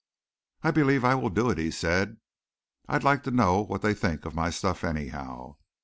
"I believe I will do it," he said; "I'd like to know what they think of my stuff anyhow."